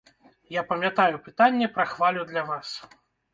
Я памятаю пытанне пра хвалю для вас.